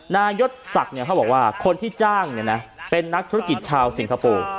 นายศศักดิ์เขาบอกว่าคนที่จ้างเป็นนักธุรกิจชาวสิงคโปร์